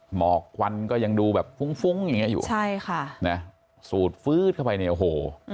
หมอกควันก็ยังดูแบบฟุ้งฟุ้งอย่างเงี้อยู่ใช่ค่ะนะสูดฟื้ดเข้าไปเนี่ยโอ้โห